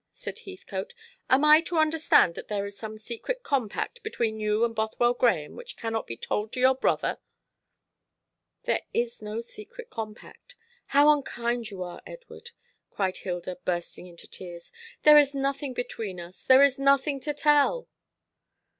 said Heathcote. "Am I to understand that there is some secret compact between you and Bothwell Grahame which cannot be told to your brother?" "There is no secret compact. How unkind you are, Edward!" cried Hilda, bursting into tears. "There is nothing between us; there is nothing to tell."